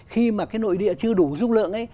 khi mà cái nội địa chưa đủ dung lượng